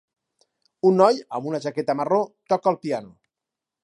Un noi amb una jaqueta marró toca el piano.